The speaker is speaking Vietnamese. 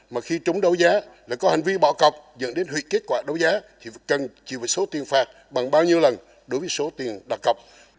mà khi chúng đấu giá lại có hành vi bỏ cọc dẫn đến hủy kết quả đấu giá thì cần chịu với số tiền phạt bằng bao nhiêu lần đối với số tiền đặt cọc